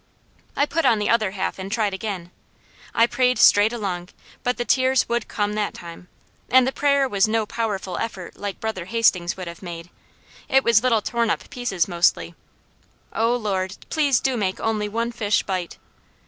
I put on the other half and tried again. I prayed straight along, but the tears would come that time, and the prayer was no powerful effort like Brother Hastings would have made; it was little torn up pieces mostly: "O Lord, please do make only one fish bite!"